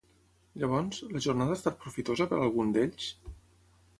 Llavors, la jornada ha estat profitosa per a algun d'ells?